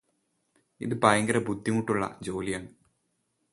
ഇത് ഭയങ്കര ബുദ്ധിമുട്ടുള്ള ജോലിയാണ്